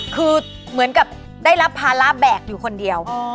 คือเหมือนกับได้รับภาระแบกอยู่คนเดียว